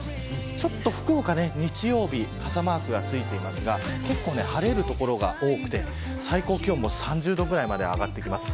ちょっと福岡日曜日に傘マークがついていますが晴れる所が多くて最高気温も３０度ぐらいまで上がります。